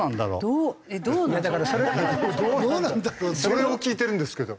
それを聞いてるんですけど。